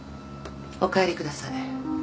お帰りください。